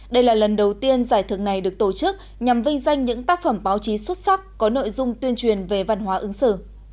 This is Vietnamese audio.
đây là lần đầu tiên giải thưởng này được tổ chức nhằm vinh danh những tác phẩm báo chí xuất sắc có nội dung tuyên truyền về văn hóa ứng xử